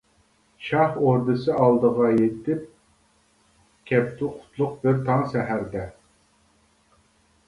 شاھ ئوردىسى ئالدىغا يېتىپ، كەپتۇ قۇتلۇق بىر تاڭ سەھەردە.